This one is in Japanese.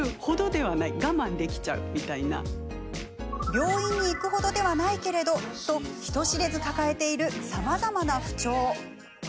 病院に行く程ではないけれどと人知れず抱えているさまざまな不調。